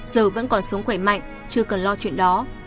giờ vẫn còn sống khỏe mạnh chưa cần lo chuyện đó